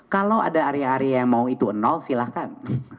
kalau ada area area yang mau itu nol silahkan